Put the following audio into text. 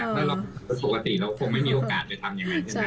ถ้าเราปกติเราคงไม่มีโอกาสไปทำอย่างไรใช่ไหม